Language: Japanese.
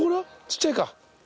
ちっちゃいか。